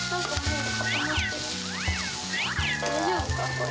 これ。